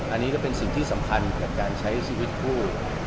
อันนี้ก็เป็นสิ่งที่สำคัญกับการใช้ชีวิตคู่